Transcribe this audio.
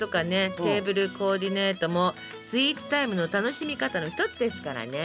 テーブルコーディネートもスイーツタイムの楽しみ方の一つですからねえ。